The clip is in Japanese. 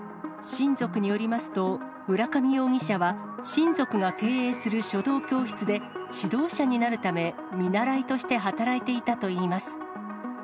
親族によりますと、浦上容疑者は、親族が経営する書道教室で、指導者になるため見習いとして働いていたといいます。